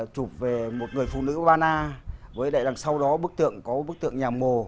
chụp về một người phụ nữ ba na với đại đằng sau đó có bức tượng nhà mồ